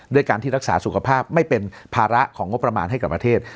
ด้วยการที่รักษาสุขภาพไม่เป็นภาระของงบประมาณให้กับประเทศ